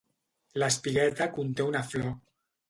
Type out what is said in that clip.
L'espigueta conté una flor.